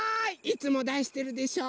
いつもだしてるでしょ。